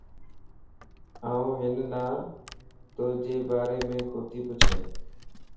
آن ھن نان توجي ڀاريم ڪوتي پڇين